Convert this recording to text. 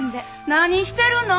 何してるの？